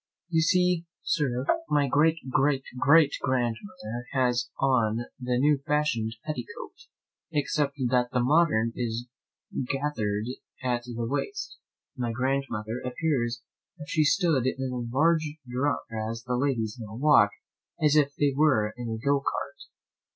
You see, Sir, my great great great grandmother has on the new fashion'd petticoat, except that the modern is gather'd at the waist; my grandmother appears as if she stood in a large drum, whereas the ladies now walk as if they were in a go cart.